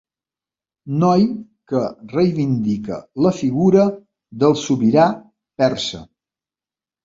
Noi que reivindica la figura del sobirà persa.